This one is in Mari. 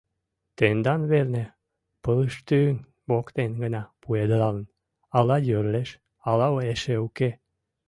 — Тендан велне пылыштӱҥ воктен гына пуэдылын Ала йӧрлеш, ала эше уке.